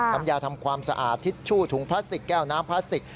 ทำยาทำความสะอาดทิชชู่ถุงพลาสติกแก้วน้ำพลาสติก